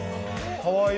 かわいい。